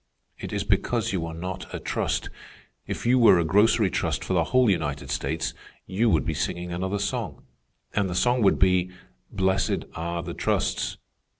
It is because you are not a trust. If you were a grocery trust for the whole United States, you would be singing another song. And the song would be, 'Blessed are the trusts.